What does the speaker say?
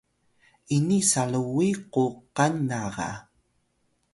ini saluwi ku’ kal na ga